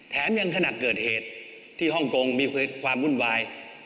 แถมยังขณะเกิดเหตุที่ฮ่องกงมีความวุ่นวาย